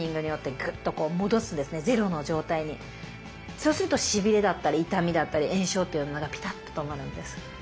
そうするとしびれだったり痛みだったり炎症っていうのがピタッと止まるんです。